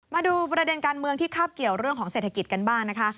มาดูประเด็นการเมืองที่คาบเกี่ยวเรื่องของเศรษฐกิจกันบ้างนะคะ